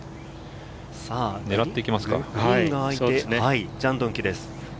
狙っていきますか？